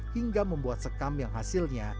hingga membuat sekam yang hasilnya